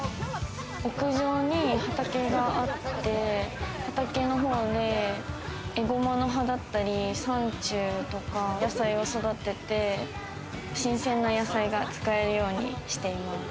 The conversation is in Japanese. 屋上に畑があって畑の方でエゴマの葉だったり、サンチュとか、野菜を育てて新鮮な野菜が使えるようにしています。